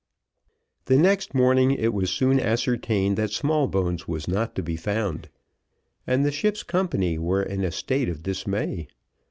The next morning it was soon ascertained that Smallbones was not to be found, and the ship's company were in a state of dismay.